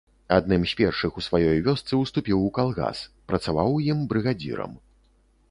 Адным з першых у сваёй вёсцы уступіў у калгас, працаваў у ім брыгадзірам.